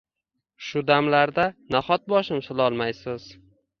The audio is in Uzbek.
Shu damlarda naxot boshim silolmaysiz